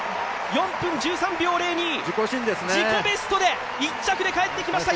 ４分１３秒０２、自己ベストで１着で帰ってきました。